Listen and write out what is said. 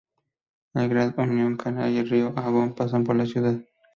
El Grand Union Canal y el río Avon pasan por la ciudad.